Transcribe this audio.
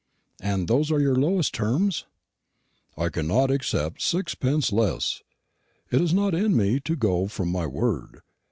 "And those are your lowest terms?" "I cannot accept sixpence less. It is not in me to go from my word.